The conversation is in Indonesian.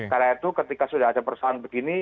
karena itu ketika sudah ada persoalan begini